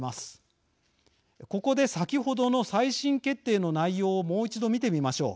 ここで先ほどの再審決定の内容をもう一度見てみましょう。